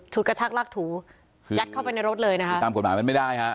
กระชากลากถูยัดเข้าไปในรถเลยนะคะตามกฎหมายมันไม่ได้ฮะ